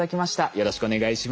よろしくお願いします。